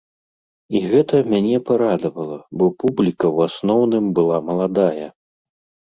І гэта мяне парадавала, бо публіка ў асноўным была маладая.